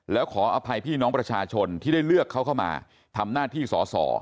แล้วขออภัยพี่น้องประชาชนที่ได้เลือกเขาเข้ามาทำหน้าที่สอสอ